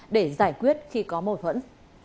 để giải quyết khi có mâu thuẫn